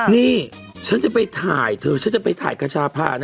นี่ฉันจะไปถ่ายเธอฉันจะไปถ่ายกระชาพานะ